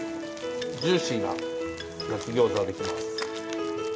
ジューシーな焼きギョーザができます。